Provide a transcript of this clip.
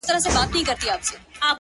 • د ښکاری هم حوصله پر ختمېدو وه ,